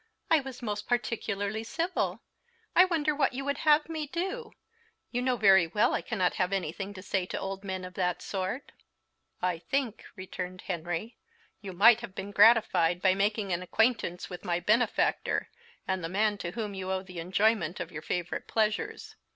"I was most particularly civil; I wonder what you would have me to do? You know very well I cannot have anything to say to old men of that sort." "I think," returned Henry, "you might have been gratified by making an acquaintance with my benefactor, and the man to whom you owe the enjoyment of your favourite pleasures.